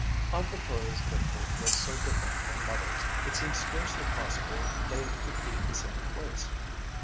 Aunt Victoria's Lydford was so different from Mother's, it seemed scarcely possible they could be the same place.